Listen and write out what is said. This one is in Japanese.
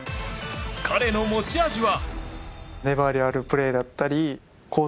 彼の持ち味は。